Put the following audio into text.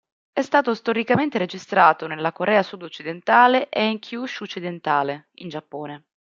È stato storicamente registrato nella Corea sud-occidentale e in Kyūshū occidentale, in Giappone.